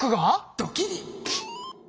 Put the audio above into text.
ドキリ。